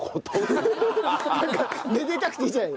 なんかめでたくていいじゃない。